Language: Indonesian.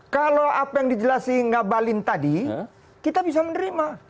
kalau apa yang dijelasi ngabalin tadi kita bisa menerima